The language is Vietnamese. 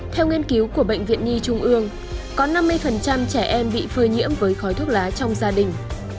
theo nghiên cứu của bệnh viện nhi trung ương có năm mươi trẻ em bị phơi nhiễm với khói thuốc lá trong gia đình